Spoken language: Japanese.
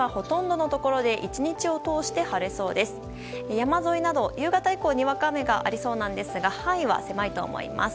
山沿いなど、夕方以降にわか雨がありそうなんですが範囲は狭いと思います。